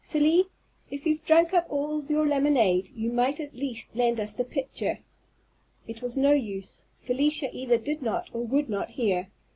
Felie, if you've drunk up all your lemonade, you might at least lend us the pitcher." It was no use. Felicia either did not, or would not, hear.